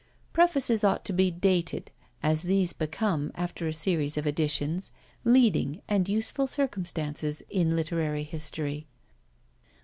Prefaces ought to be dated; as these become, after a series of editions, leading and useful circumstances in literary history.